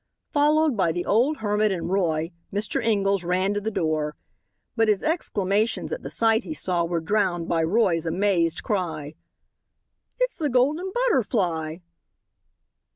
Followed by the old hermit and Roy, Mr. Ingalls ran to the door. But his exclamations at the sight he saw were drowned by Roy's amazed cry: "It's the Golden Butterfly!"